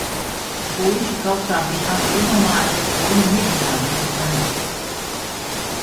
Puiši kaut kā bija abi iedomājušies, ka viņi divatā visu darīs.